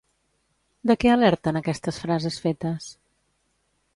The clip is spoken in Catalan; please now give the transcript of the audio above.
De què alerten aquestes frases fetes?